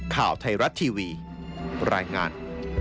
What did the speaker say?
ข่าวไทยรัฐทีวีรายงาน